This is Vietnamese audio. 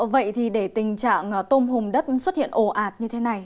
vậy thì để tình trạng tôm hùm đất xuất hiện ồ ạt như thế này